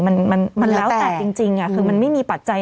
มันมันแล้วแต่จริงคือมันไม่มีปัจจัย